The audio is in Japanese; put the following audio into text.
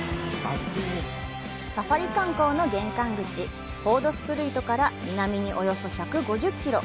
サファリ観光の玄関口ホードスプルイトから南におよそ１５０キロ。